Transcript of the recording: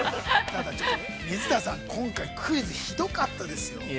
水田さん、今回クイズひどかったですよ。